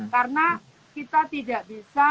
karena kita tidak bisa